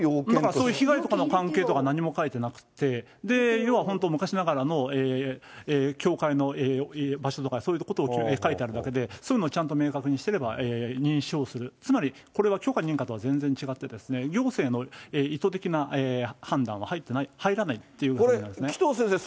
そういう被害とかの関係とか何も書いてなくて、要は本当、昔ながらの場所とか、そういうことを書いてあるだけで、そういうのをちゃんと明確にしていれば、認証する、つまりこれは許可、認可とは全然違ってですね、行政の意図的な判断は入らないっていう感じなんですね。